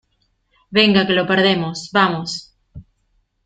venga, que lo perdemos. ¡ vamos!